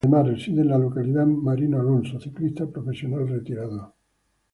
Además, reside en la localidad Marino Alonso, ciclista profesional retirado.